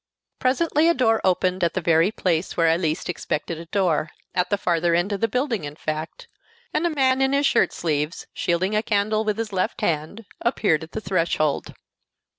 Presently a door opened at the very place where I least expected a door, at the farther end of the building, in fact, and a man in his shirt sleeves, shielding a candle with his left hand, appeared on the threshold.